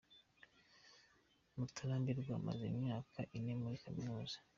Mutarambirwa amaze imyaka ine muri kaminuza.